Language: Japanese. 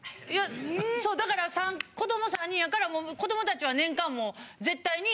そうだから子ども３人やからもう子どもたちは年間絶対に。